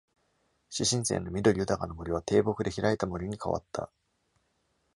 始新世の緑豊かな森は、低木で開いた森に変わった。